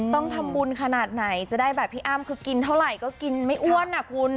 ต้องทำบุญขนาดไหนจะได้แบบพี่อ้ำคือกินเท่าไหร่ก็กินไม่อ้วนอ่ะคุณ